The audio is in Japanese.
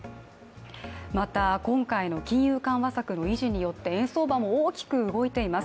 また今回の金融緩和策の維持によって円相場も大きく動いています。